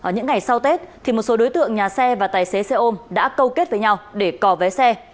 những ngày sau tết thì một số đối tượng nhà xe và tài xế xe ôm đã câu kết với nhau để cò vé xe